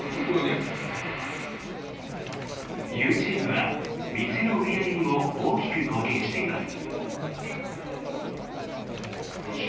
ＹｏｕＴｕｂｅは店の売り上げにも大きく貢献しています。